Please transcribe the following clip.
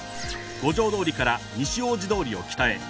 五条通から西大路通を北へ。